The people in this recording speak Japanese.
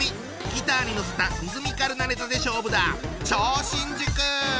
ギターに乗せたリズミカルなネタで勝負だ！